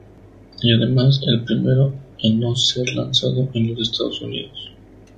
Y además el primero en no ser lanzado en los Estados Unidos.